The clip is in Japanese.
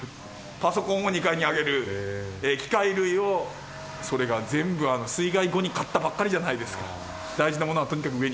パソコンも２階に上げる、機械類を、それが全部水害後に買ったばっかりじゃないですか。